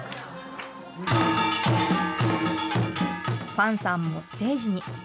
ファンさんもステージに。